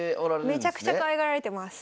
めちゃくちゃかわいがられてます。